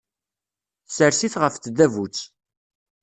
Ssers-it ɣef tdabut.